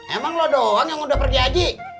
emang lo doang yang udah pergi haji